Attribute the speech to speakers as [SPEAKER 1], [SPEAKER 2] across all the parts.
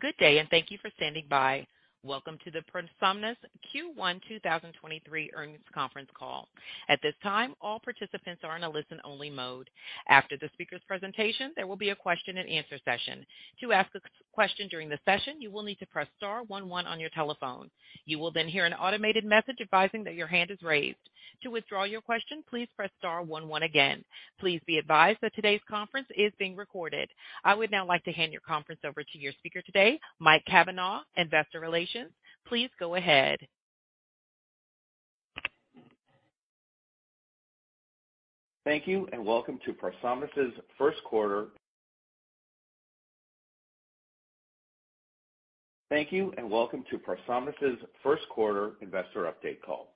[SPEAKER 1] Good day. Thank you for standing by. Welcome to the ProSomnus Q1 2023 Earnings Conference Call. At this time, all participants are in a listen-only mode. After the speaker's presentation, there will be a question and answer session. To ask a question during the session, you will need to press star one one on your telephone. You will hear an automated message advising that your hand is raised. To withdraw your question, please press star one one again. Please be advised that today's conference is being recorded. I would now like to hand your conference over to your speaker today, Mike Cavanaugh, investor relations. Please go ahead.
[SPEAKER 2] Thank you, welcome to ProSomnus' first quarter investor update call.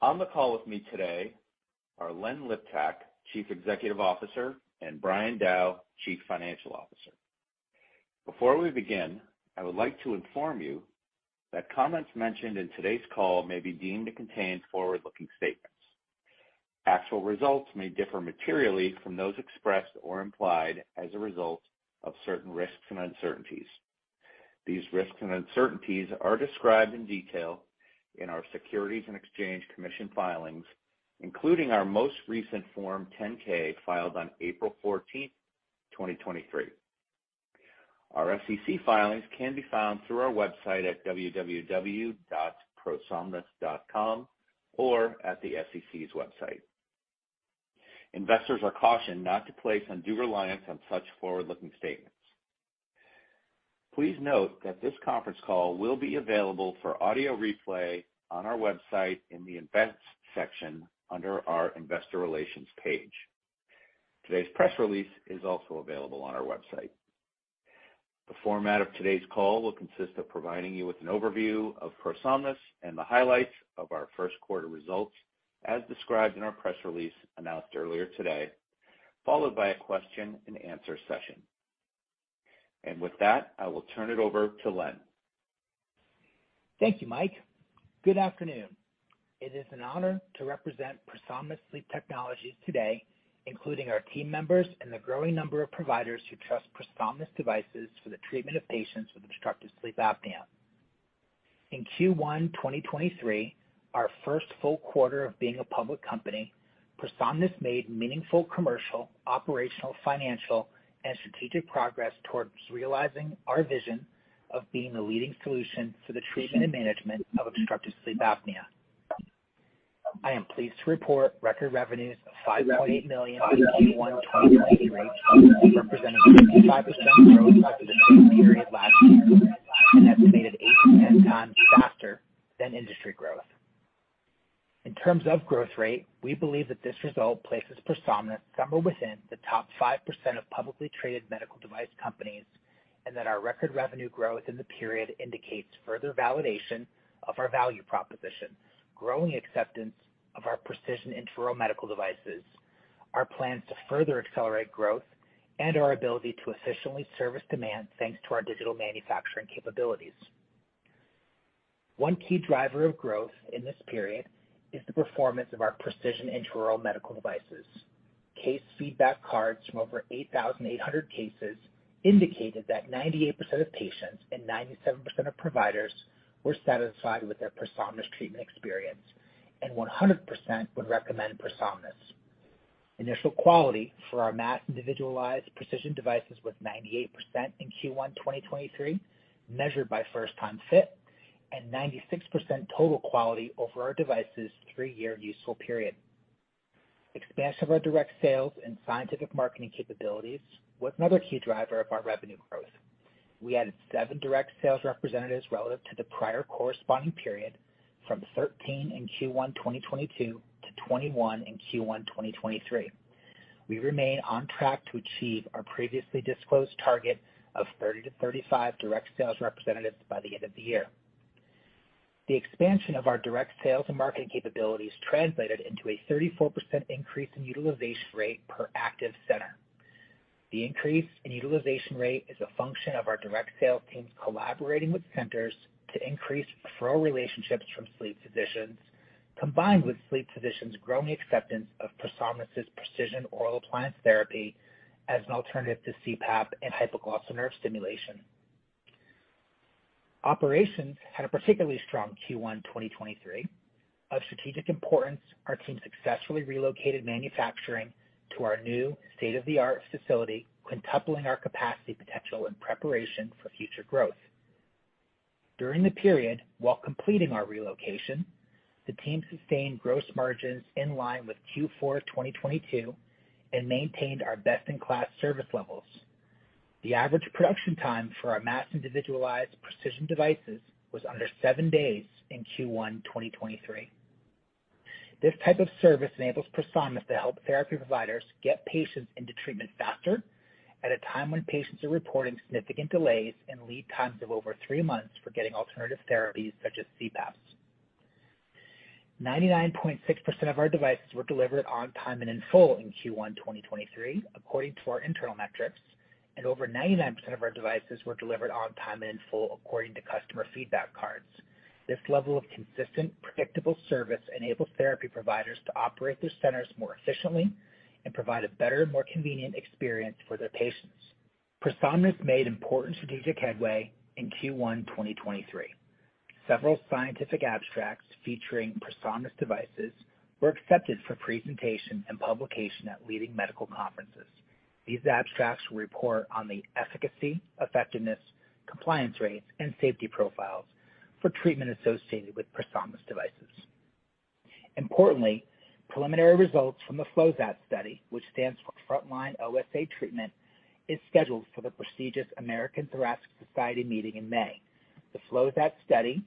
[SPEAKER 2] On the call with me today are Len Liptak, Chief Executive Officer, and Brian Dow, Chief Financial Officer. Before we begin, I would like to inform you that comments mentioned in today's call may be deemed to contain forward-looking statements. Actual results may differ materially from those expressed or implied as a result of certain risks and uncertainties. These risks and uncertainties are described in detail in our Securities and Exchange Commission filings, including our most recent Form 10-K filed on April 14th, 2023. Our SEC filings can be found through our website at www.ProSomnus.com or at the SEC's website. Investors are cautioned not to place undue reliance on such forward-looking statements. Please note that this conference call will be available for audio replay on our website in the Invest section under our Investor Relations page. Today's press release is also available on our website. The format of today's call will consist of providing you with an overview of ProSomnus and the highlights of our first quarter results, as described in our press release announced earlier today, followed by a question and answer session. With that, I will turn it over to Len.
[SPEAKER 3] Thank you, Mike. Good afternoon. It is an honor to represent ProSomnus Sleep Technologies today, including our team members and the growing number of providers who trust ProSomnus devices for the treatment of patients with obstructive sleep apnea. In Q1 2023, our first full quarter of being a public company, ProSomnus made meaningful commercial, operational, financial, and strategic progress towards realizing our vision of being the leading solution for the treatment and management of obstructive sleep apnea. I am pleased to report record revenues of $5.8 million in Q1 2023, representing 55% growth over the same period last year and estimated 8 to 10 times faster than industry growth. In terms of growth rate, we believe that this result places ProSomnus somewhere within the top 5% of publicly traded medical device companies, and that our record revenue growth in the period indicates further validation of our value proposition, growing acceptance of our precision intraoral medical devices, our plans to further accelerate growth, and our ability to efficiently service demand thanks to our digital manufacturing capabilities. One key driver of growth in this period is the performance of our precision intraoral medical devices. Case feedback cards from over 8,800 cases indicated that 98% of patients and 97% of providers were satisfied with their ProSomnus treatment experience, and 100% would recommend ProSomnus. Initial quality for our mass individualized precision devices was 98% in Q1 2023, measured by first time fit and 96% total quality over our device's 3-year useful period. Expansion of our direct sales and scientific marketing capabilities was another key driver of our revenue growth. We added 7 direct sales representatives relative to the prior corresponding period from 13 in Q1 2022 to 21 in Q1 2023. We remain on track to achieve our previously disclosed target of 30-35 direct sales representatives by the end of the year. The expansion of our direct sales and marketing capabilities translated into a 34% increase in utilization rate per active center. The increase in utilization rate is a function of our direct sales teams collaborating with centers to increase referral relationships from sleep physicians, combined with sleep physicians' growing acceptance of ProSomnus' precision oral appliance therapy as an alternative to CPAP and hypoglossal nerve stimulation. Operations had a particularly strong Q1 2023. Of strategic importance, our team successfully relocated manufacturing to our new state-of-the-art facility, quintupling our capacity potential in preparation for future growth. During the period, while completing our relocation, the team sustained gross margins in line with Q4 2022 and maintained our best-in-class service levels. The average production time for our mass individualized precision devices was under seven days in Q1 2023. This type of service enables ProSomnus to help therapy providers get patients into treatment faster at a time when patients are reporting significant delays and lead times of over three months for getting alternative therapies such as CPAP. 99.6% of our devices were delivered on time and in full in Q1 2023, according to our internal metrics, and over 99% of our devices were delivered on time and in full according to customer feedback cards. This level of consistent, predictable service enables therapy providers to operate their centers more efficiently and provide a better and more convenient experience for their patients. ProSomnus made important strategic headway in Q1 2023. Several scientific abstracts featuring ProSomnus devices were accepted for presentation and publication at leading medical conferences. These abstracts will report on the efficacy, effectiveness, compliance rates, and safety profiles for treatment associated with ProSomnus devices. Importantly, preliminary results from the FLOSAT study, which stands for First Line Obstructive Sleep Apnea Treatment, is scheduled for the prestigious American Thoracic Society meeting in May. The FLOSAT study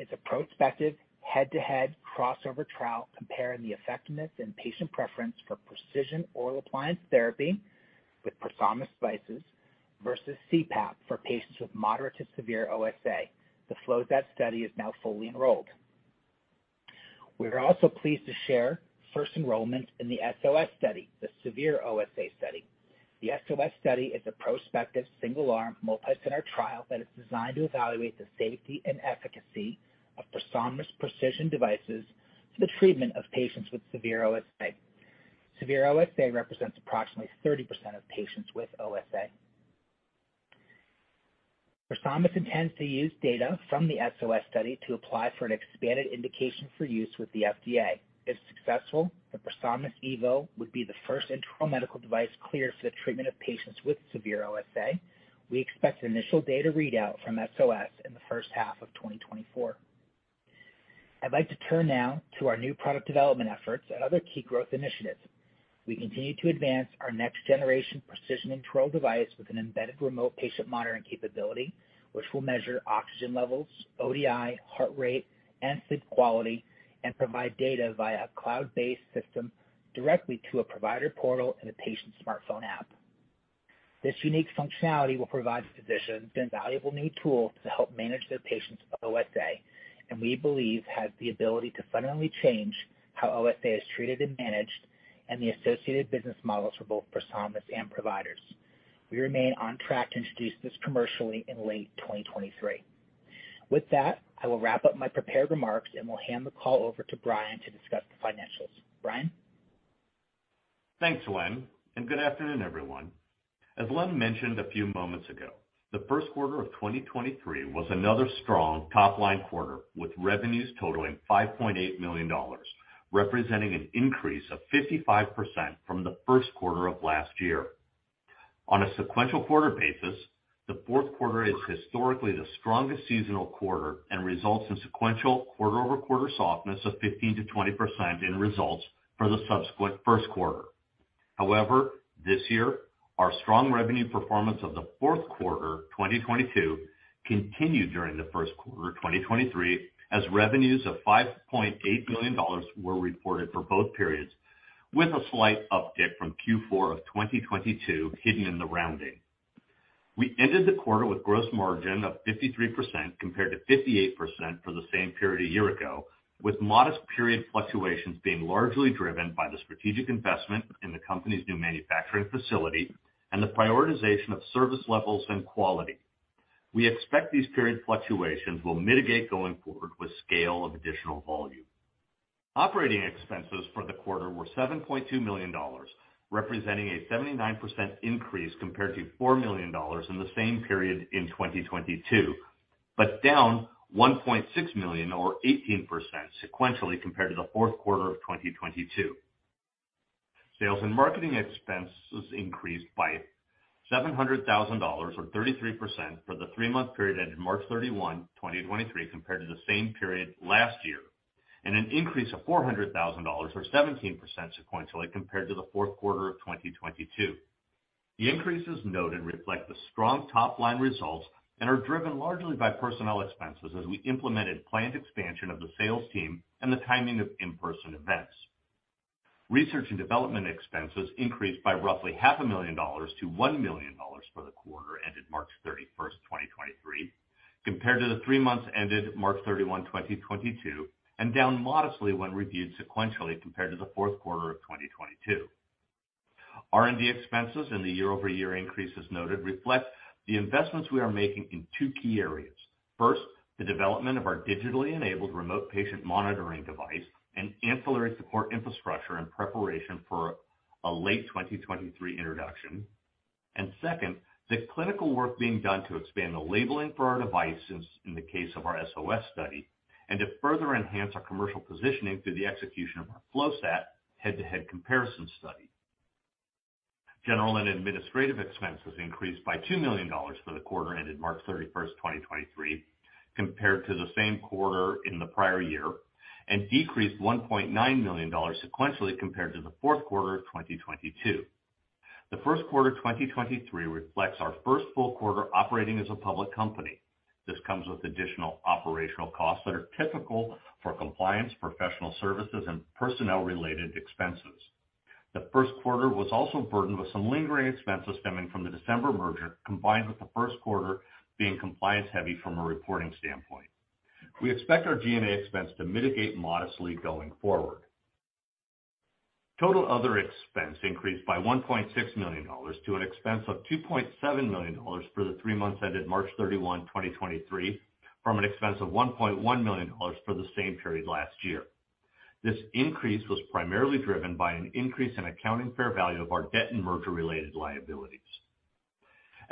[SPEAKER 3] is a prospective head-to-head crossover trial comparing the effectiveness and patient preference for precision oral appliance therapy with ProSomnus devices versus CPAP for patients with moderate to severe OSA. The FLOSAT study is now fully enrolled. We are also pleased to share first enrollment in the SOS study, the Severe OSA Study. The SOS study is a prospective single-arm multi-center trial that is designed to evaluate the safety and efficacy of ProSomnus precision devices for the treatment of patients with severe OSA. Severe OSA represents approximately 30% of patients with OSA. ProSomnus intends to use data from the SOS study to apply for an expanded indication for use with the FDA. If successful, the ProSomnus EVO would be the first intraoral medical device cleared for the treatment of patients with severe OSA. We expect initial data readout from SOS in the first half of 2024. I'd like to turn now to our new product development efforts and other key growth initiatives. We continue to advance our next generation precision intraoral device with an embedded remote patient monitoring capability, which will measure oxygen levels, ODI, heart rate, and sleep quality, and provide data via a cloud-based system directly to a provider portal and a patient smartphone app. This unique functionality will provide physicians an valuable new tool to help manage their patients with OSA, and we believe has the ability to fundamentally change how OSA is treated and managed and the associated business models for both ProSomnus and providers. We remain on track to introduce this commercially in late 2023. With that, I will wrap up my prepared remarks and will hand the call over to Brian to discuss the financials. Brian?
[SPEAKER 4] Thanks, Len. Good afternoon, everyone. As Len mentioned a few moments ago, the first quarter of 2023 was another strong top-line quarter, with revenues totaling $5.8 million, representing an increase of 55% from the first quarter of last year. On a sequential quarter basis, the fourth quarter is historically the strongest seasonal quarter and results in sequential quarter-over-quarter softness of 15%-20% in results for the subsequent first quarter. This year, our strong revenue performance of the fourth quarter 2022 continued during the first quarter 2023, as revenues of $5.8 million were reported for both periods, with a slight uptick from Q4 of 2022 hidden in the rounding. We ended the quarter with gross margin of 53% compared to 58% for the same period a year ago, with modest period fluctuations being largely driven by the strategic investment in the company's new manufacturing facility and the prioritization of service levels and quality. We expect these period fluctuations will mitigate going forward with scale of additional volume. Operating expenses for the quarter were $7.2 million, representing a 79% increase compared to $4 million in the same period in 2022, but down $1.6 million or 18% sequentially compared to the fourth quarter of 2022. Sales and marketing expenses increased by $700,000 or 33% for the three-month period ended March 31, 2023, compared to the same period last year, an increase of $400,000 or 17% sequentially compared to the fourth quarter of 2022. The increases noted reflect the strong top-line results and are driven largely by personnel expenses as we implemented planned expansion of the sales team and the timing of in-person events. Research and development expenses increased by roughly half a million dollars to $1 million for the quarter ended March 31st, 2023, compared to the three months ended March 31, 2022, down modestly when reviewed sequentially compared to the fourth quarter of 2022. R&D expenses and the year-over-year increases noted reflect the investments we are making in 2 key areas. First, the development of our digitally enabled remote patient monitoring device and ancillary support infrastructure in preparation for a late 2023 introduction. Second, the clinical work being done to expand the labeling for our devices in the case of our SOS study, and to further enhance our commercial positioning through the execution of our FLOSAT head-to-head comparison study. General and administrative expenses increased by $2 million for the quarter ended March 31st, 2023, compared to the same quarter in the prior year, and decreased $1.9 million sequentially compared to the fourth quarter of 2022. The first quarter 2023 reflects our first full quarter operating as a public company. This comes with additional operational costs that are typical for compliance, professional services, and personnel-related expenses. The first quarter was also burdened with some lingering expenses stemming from the December merger, combined with the first quarter being compliance heavy from a reporting standpoint. We expect our G&A expense to mitigate modestly going forward. Total other expense increased by $1.6 million to an expense of $2.7 million for the 3 months ended March 31, 2023, from an expense of $1.1 million for the same period last year. This increase was primarily driven by an increase in accounting fair value of our debt and merger-related liabilities.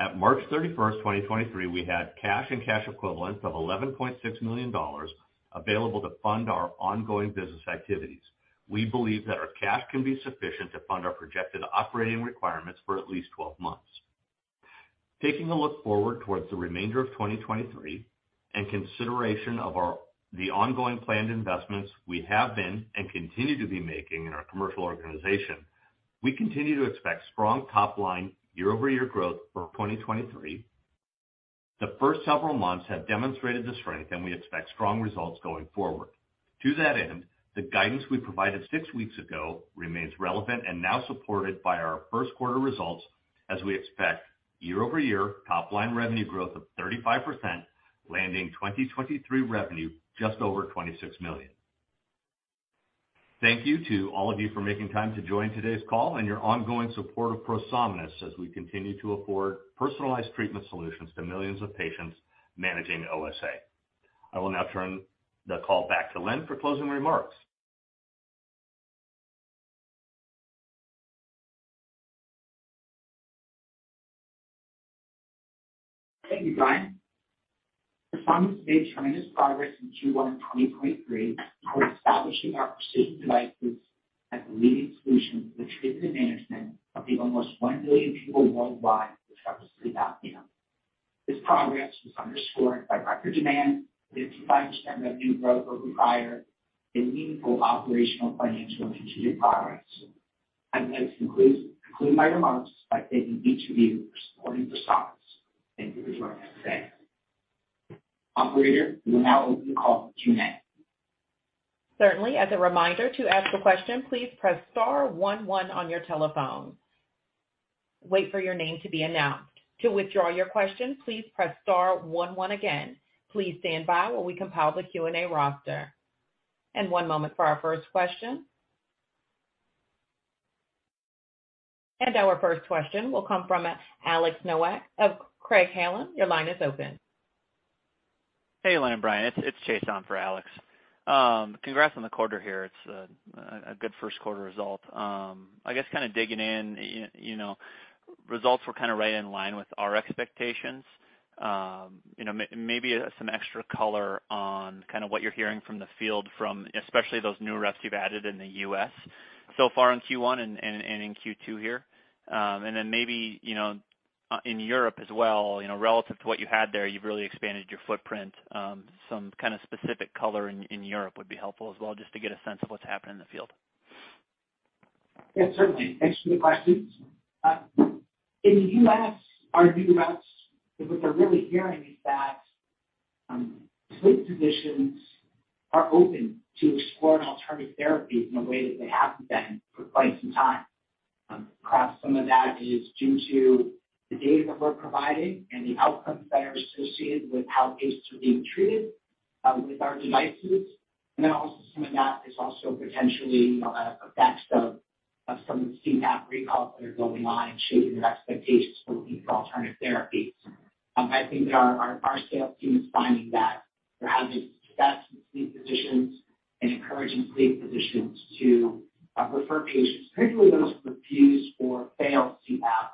[SPEAKER 4] At March 31, 2023, we had cash and cash equivalents of $11.6 million available to fund our ongoing business activities. We believe that our cash can be sufficient to fund our projected operating requirements for at least 12 months. Taking a look forward towards the remainder of 2023 and consideration of the ongoing planned investments we have been and continue to be making in our commercial organization, we continue to expect strong top line year-over-year growth for 2023. The first several months have demonstrated the strength. We expect strong results going forward. To that end, the guidance we provided 6 weeks ago remains relevant and now supported by our first quarter results as we expect year-over-year top line revenue growth of 35%, landing 2023 revenue just over $26 million. Thank you to all of you for making time to join today's call and your ongoing support of ProSomnus as we continue to afford personalized treatment solutions to millions of patients managing OSA. I will now turn the call back to Len for closing remarks.
[SPEAKER 3] Thank you, Brian. ProSomnus made tremendous progress in Q1 2023 toward establishing our precision devices as a leading solution for the treatment and management of the almost 1 million people worldwide who suffer sleep apnea. This progress was underscored by record demand, 55% revenue growth over prior, and meaningful operational financial and continued progress. I'd like to conclude my remarks by thanking each of you for supporting ProSomnus. Thank you for joining us today. Operator, we will now open the call for Q&A.
[SPEAKER 1] Certainly. As a reminder, to ask a question, please press star one one on your telephone. Wait for your name to be announced. To withdraw your question, please press star one one again. Please stand by while we compile the Q&A roster. One moment for our first question. Our first question will come from Alex Nowak of Craig-Hallum. Your line is open.
[SPEAKER 5] Hey, Len and Brian. It's Chase on for Alex. Congrats on the quarter here. It's a good first quarter result. I guess kind of digging in, results were kind of right in line with our expectations. You know, maybe some extra color on kind of what you're hearing from the field from especially those new reps you've added in the U.S. so far in Q1 and in Q2 here. maybe, in Europe as well, relative to what you had there, you've really expanded your footprint. Some kind of specific color in Europe would be helpful as well, just to get a sense of what's happening in the field.
[SPEAKER 3] Yeah, certainly. Thanks for the questions. In the U.S., our new reps, what they're really hearing is that sleep physicians are open to exploring alternative therapies in a way that they haven't been for quite some time. Perhaps some of that is due to the data that we're providing and the outcomes that are associated with how patients are being treated with our devices. Also some of that is also potentially, an effect of some of the CPAP recalls that are going on and changing their expectations for looking for alternative therapies. I think our sales team is finding that they're having success with sleep physicians and encouraging sleep physicians to refer patients, particularly those who refuse or fail CPAP,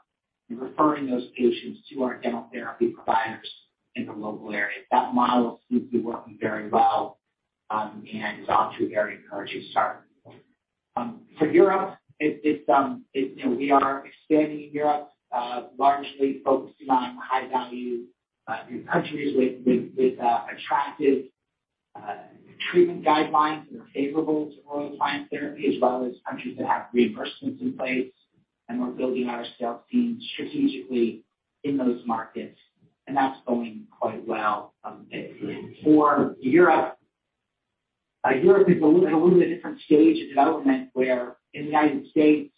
[SPEAKER 3] and referring those patients to our dental therapy providers in the local area. That model seems to be working very well, and is off to a very encouraging start. For Europe, it's, we are expanding in Europe, largely focusing on high value countries with attractive treatment guidelines that are favorable to oral appliance therapy, as well as countries that have reimbursements in place. We're building our sales team strategically in those markets, and that's going quite well for Europe. Europe is in a little bit different stage of development where in the United States,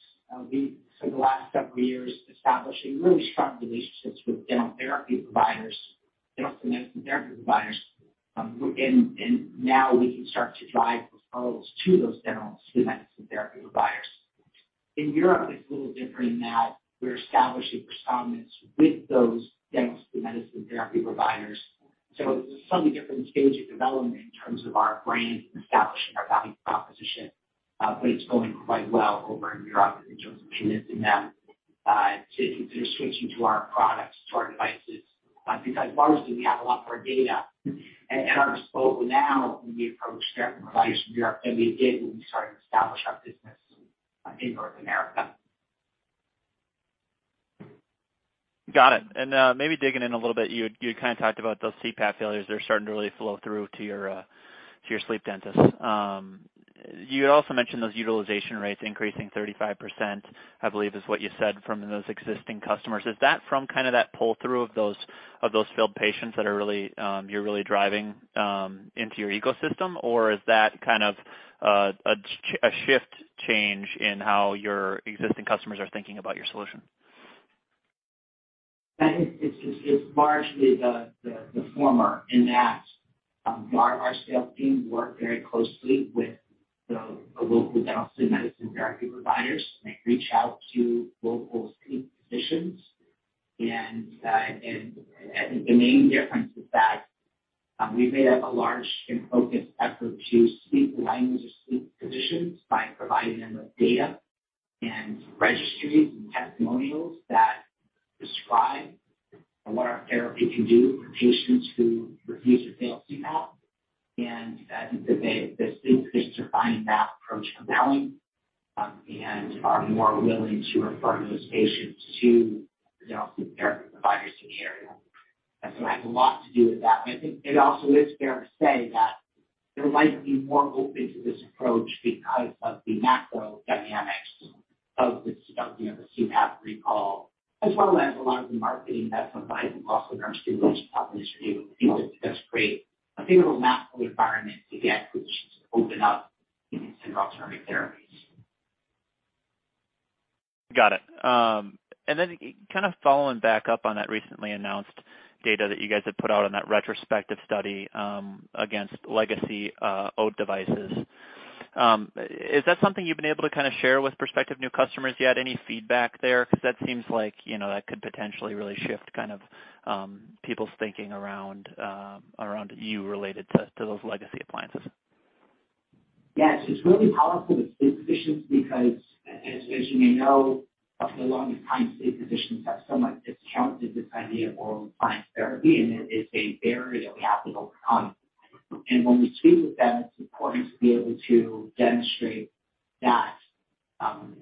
[SPEAKER 3] we, for the last several years, establishing really strong relationships with dental therapy providers, dental sleep medicine therapy providers, and now we can start to drive referrals to those dental sleep medicine therapy providers. In Europe, it's a little different in that we're establishing ProSomnus with those dental sleep medicine therapy providers. It's a slightly different stage of development in terms of our brand and establishing our value proposition, but it's going quite well over in Europe in terms of convincing them to consider switching to our products, to our devices, because largely we have a lot more data at our disposal now when we approach therapy providers in Europe than we did when we started to establish our business in North America.
[SPEAKER 6] Got it. Maybe digging in a little bit, you had kind of talked about those CPAP failures. They're starting to really flow through to your sleep dentists. You had also mentioned those utilization rates increasing 35%, I believe is what you said, from those existing customers. Is that from kind of that pull through of those failed patients that are really driving into your ecosystem? Or is that kind of a shift change in how your existing customers are thinking about your solution?
[SPEAKER 3] I think it's largely the former in that our sales team work very closely with the local dental sleep medicine therapy providers. They reach out to local sleep physicians. I think the main difference is that we've made a large and focused effort to speak the language of sleep physicians by providing them with data and registries and testimonials that describe what our therapy can do for patients who refuse or fail CPAP. I think that they find that approach compelling and are more willing to refer those patients to dental sleep therapy providers in the area. It has a lot to do with that. I think it also is fair to say that they might be more open to this approach because of the macro dynamics of the, the CPAP recall, as well as a lot of the marketing that's behind the oral device. I think that's created a favorable macro environment to get physicians to open up to alternative therapies.
[SPEAKER 6] Got it. kind of following back up on that recently announced data that you guys had put out on that retrospective study, against legacy OAT devices. Is that something you've been able to kinda share with prospective new customers yet? Any feedback there? 'Cause that seems like, that could potentially really shift kind of people's thinking around around you related to those legacy appliances.
[SPEAKER 3] Yes, it's really powerful with sleep physicians because as you may know, for the longest time, sleep physicians have somewhat discounted this idea of oral appliance therapy, and it is a barrier that we have to overcome. When we speak with them, it's important to be able to demonstrate that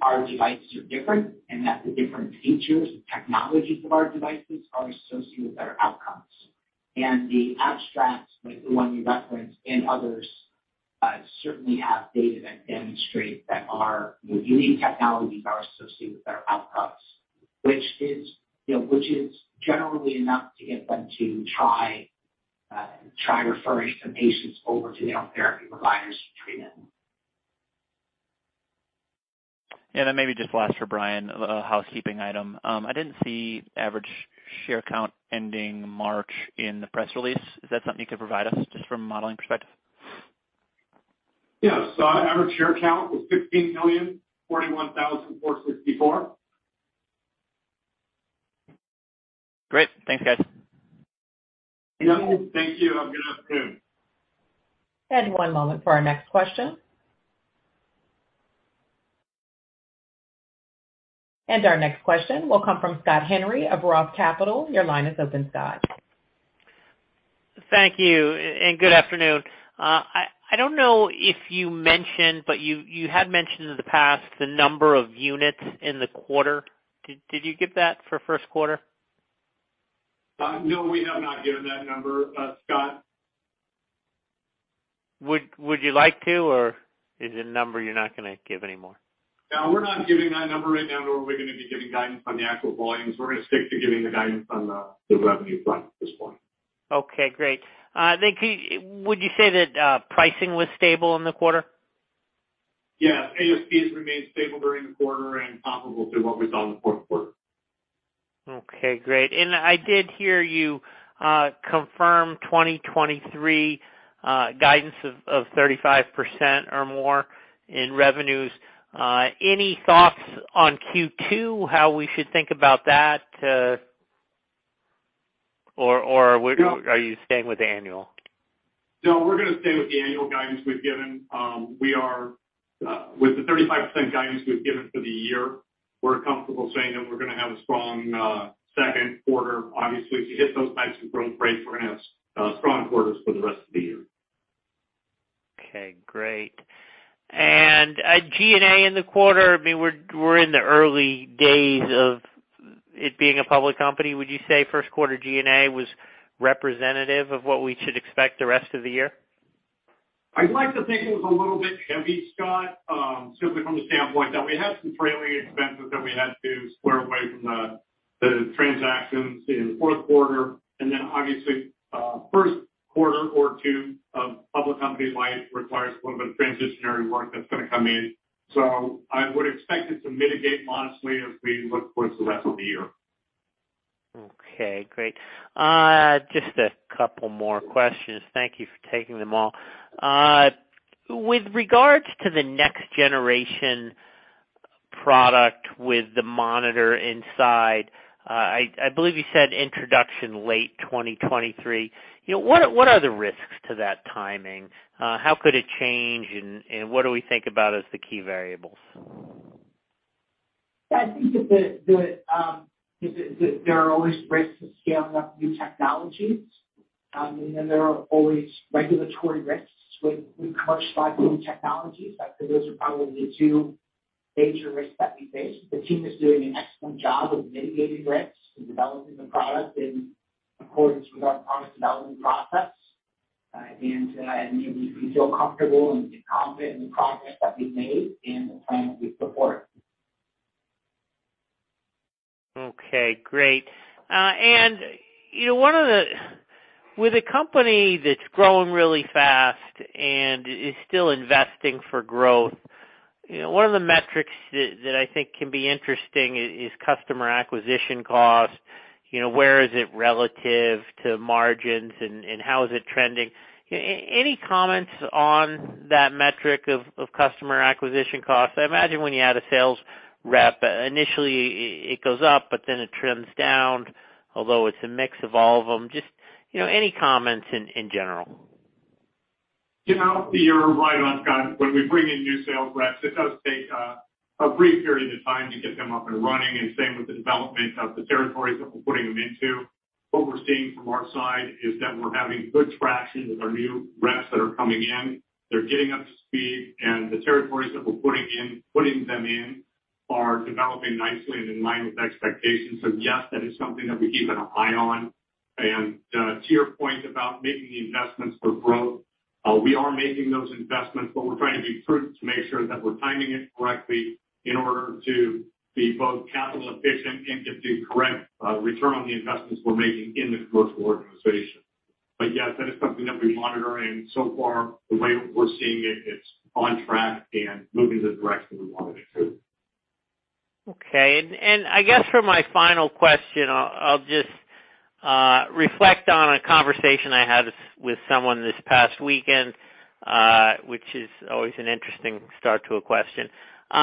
[SPEAKER 3] our devices are different and that the different features and technologies of our devices are associated with better outcomes. The abstracts like the one you referenced and others certainly have data that demonstrate that our unique technologies are associated with better outcomes, which is, which is generally enough to get them to try referring some patients over to dental therapy providers for treatment.
[SPEAKER 6] Maybe just last for Brian, a housekeeping item. I didn't see average share count ending March in the press release. Is that something you could provide us just from a modeling perspective?
[SPEAKER 4] Yeah. Our average share count was 15,041,464.
[SPEAKER 6] Great. Thanks, guys.
[SPEAKER 4] Yeah, thank you. I'm gonna pass to Tim.
[SPEAKER 1] One moment for our next question. Our next question will come from Scott Henry of Roth Capital. Your line is open, Scott.
[SPEAKER 7] Thank you, and good afternoon. I don't know if you mentioned, but you had mentioned in the past the number of units in the quarter. Did you give that for first quarter?
[SPEAKER 4] No, we have not given that number, Scott.
[SPEAKER 7] Would you like to, or is it a number you're not gonna give anymore?
[SPEAKER 4] No, we're not giving that number right now, nor are we gonna be giving guidance on the actual volumes. We're gonna stick to giving the guidance on the revenue front at this point.
[SPEAKER 7] Okay, great. Would you say that pricing was stable in the quarter?
[SPEAKER 4] ASP has remained stable during the quarter and comparable to what we saw in the fourth quarter.
[SPEAKER 7] Okay, great. I did hear you confirm 2023 guidance of 35% or more in revenues. Any thoughts on Q2, how we should think about that?
[SPEAKER 4] No.
[SPEAKER 7] Are you staying with the annual?
[SPEAKER 4] No, we're gonna stay with the annual guidance we've given. We are with the 35% guidance we've given for the year, we're comfortable saying that we're gonna have a strong second quarter. Obviously, if you hit those types of growth rates, we're gonna have strong quarters for the rest of the year.
[SPEAKER 7] Okay, great. G&A in the quarter, I mean, we're in the early days of it being a public company. Would you say first quarter G&A was representative of what we should expect the rest of the year?
[SPEAKER 4] I'd like to think it was a little bit heavy, Scott, simply from the standpoint that we had some trailing expenses that we had to square away from the transactions in the fourth quarter. Obviously, first quarter or two of public company life requires a little bit of transitionary work that's gonna come in. I would expect it to mitigate modestly as we look towards the rest of the year.
[SPEAKER 7] Okay, great. Just a couple more questions. Thank you for taking them all. With regards to the next generation product with the monitor inside, I believe you said introduction late 2023. You know, what are the risks to that timing? How could it change and what do we think about as the key variables?
[SPEAKER 3] I think that there are always risks of scaling up new technologies. There are always regulatory risks with new commercialized new technologies. I'd say those are probably the two major risks that we face. The team is doing an excellent job of mitigating risks and developing the product in accordance with our product development process. We feel comfortable and confident in the progress that we've made and the plan that we support.
[SPEAKER 7] Okay, great. You know, with a company that's growing really fast and is still investing for growth, one of the metrics that I think can be interesting is customer acquisition cost. You know, where is it relative to margins and how is it trending? Any comments on that metric of customer acquisition costs? I imagine when you add a sales rep, initially it goes up, but then it trims down, although it's a mix of all of them. just, any comments in general.
[SPEAKER 4] You know, you're right on, Scott. When we bring in new sales reps, it does take a brief period of time to get them up and running, and same with the development of the territories that we're putting them into. What we're seeing from our side is that we're having good traction with our new reps that are coming in. They're getting up to speed, and the territories that we're putting them in are developing nicely and in line with expectations. Yes, that is something that we keep an eye on. To your point about making the investments for growth, we are making those investments, but we're trying to be prudent to make sure that we're timing it correctly in order to be both capital efficient and get the correct return on the investments we're making in the commercial organization. Yes, that is something that we monitor, and so far, the way we're seeing it's on track and moving the direction we wanted it to.
[SPEAKER 7] Okay. I guess for my final question, I'll just reflect on a conversation I had with someone this past weekend, which is always an interesting start to a question. You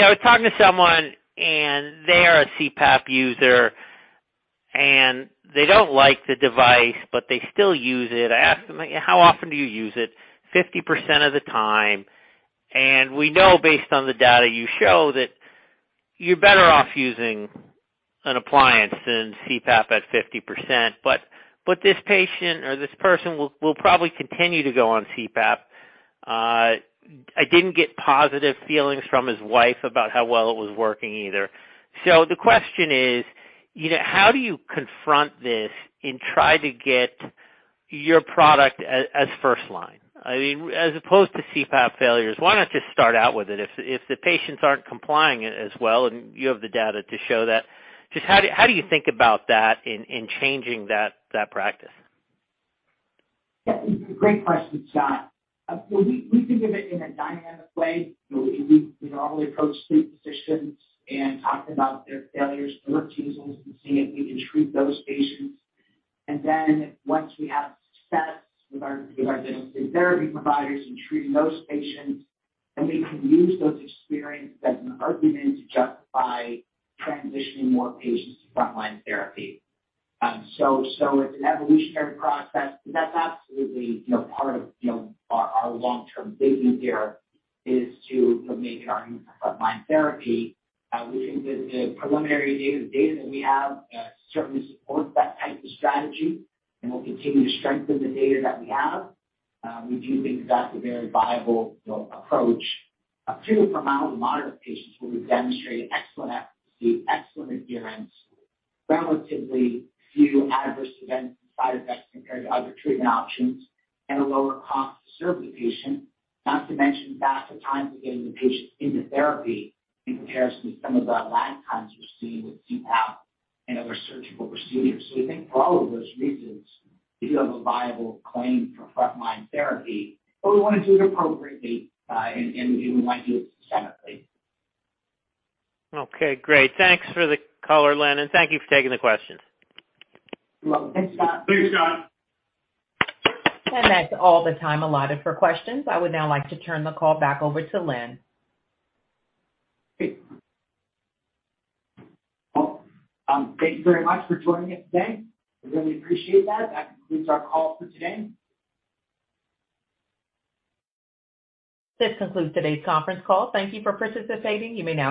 [SPEAKER 7] know, I was talking to someone and they are a CPAP user, they don't like the device, they still use it. I asked them, "How often do you use it?" 50% of the time. We know based on the data you show that you're better off using an appliance than CPAP at 50%. This patient or this person will probably continue to go on CPAP. I didn't get positive feelings from his wife about how well it was working either. The question is, how do you confront this and try to get your product as first line? I mean, as opposed to CPAP failures, why not just start out with it? If the patients aren't complying as well, and you have the data to show that, just how do you think about that in changing that practice?
[SPEAKER 3] Yeah. Great question, Scott. We think of it in a dynamic way. We normally approach sleep physicians and talk about their failures and refusals and see if we can treat those patients. Once we have success with our dental sleep therapy providers in treating those patients, then we can use those experiences as an argument to justify transitioning more patients to frontline therapy. It's an evolutionary process. That's absolutely, part of, our long-term vision here is to make it our new frontline therapy. We think that the preliminary data that we have certainly supports that type of strategy, and we'll continue to strengthen the data that we have. We do think that's a very viable, approach. Particularly for mild to moderate patients where we've demonstrated excellent efficacy, excellent adherence, relatively few adverse events and side effects compared to other treatment options, and a lower cost to serve the patient. Not to mention faster time to getting the patient into therapy in comparison to some of the lag times we're seeing with CPAP and other surgical procedures. We think for all of those reasons, we do have a viable claim for frontline therapy, but we wanna do it appropriately, and we want to do it systemically.
[SPEAKER 7] Okay, great. Thanks for the color, Len, and thank you for taking the questions.
[SPEAKER 3] You're welcome.
[SPEAKER 4] Thanks, Scott.
[SPEAKER 7] Thanks, Scott.
[SPEAKER 1] That's all the time allotted for questions. I would now like to turn the call back over to Lynn.
[SPEAKER 3] Great. Well, thank you very much for joining us today. We really appreciate that. That concludes our call for today.
[SPEAKER 1] This concludes today's conference call. Thank you for participating. You may now disconnect.